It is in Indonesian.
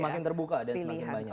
semakin terbuka dan semakin banyak